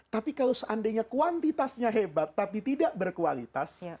tapi kalau seandainya kuantitasnya hebat tapi tidak berkualitas